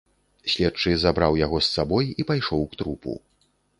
Следчы забраў яго з сабой і пайшоў к трупу.